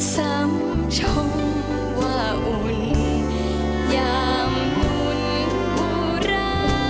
สามชมว่าอุ่นยามหุ่นอุระ